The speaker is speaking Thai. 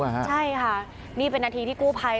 ใช่ค่ะนี่เป็นนาทีที่กู้ภัย